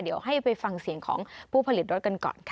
เดี๋ยวให้ไปฟังเสียงของผู้ผลิตรถกันก่อนค่ะ